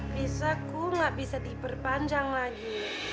bisa ku gak bisa diperpanjang lagi